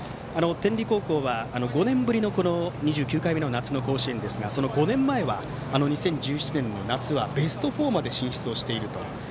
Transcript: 天理高校は５年ぶりの２９回目の夏の甲子園ですが５年前、２０１７年の夏はベスト４まで進出をしていると。